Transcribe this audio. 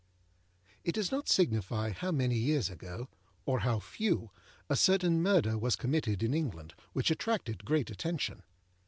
It does not signify how many years ago, or how few, a certain murder was committed in England, which attracted great attention.